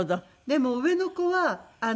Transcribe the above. でも上の子は。